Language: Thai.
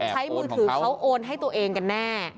มือถือเขาโอนให้ตัวเองกันแน่